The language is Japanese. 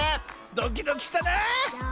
ドキドキしたなあ！